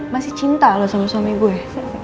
masih cinta loh sama suami gue